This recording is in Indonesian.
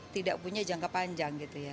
tidak punya jangka panjang gitu ya